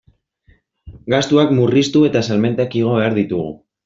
Gastuak murriztu eta salmentak igo behar ditugu.